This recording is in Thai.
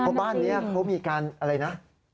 เพราะบ้านนี้เขามีการอะไรนะ